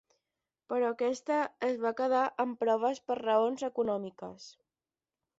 Però aquesta es va quedar en proves per raons econòmiques.